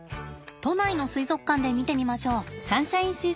都内の水族館で見てみましょう。